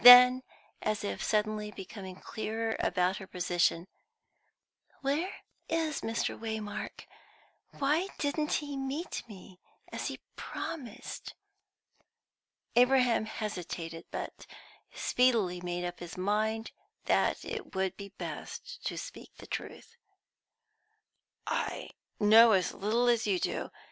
Then, as if suddenly becoming clearer about her position: "Where is Mr. Waymark? Why didn't he meet me as he promised?" Abraham hesitated, but speedily made up his mind that it would be best to speak the truth. "I know as little as you do.